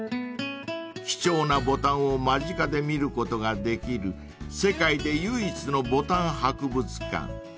［貴重なボタンを間近で見ることができる世界で唯一のボタン博物館］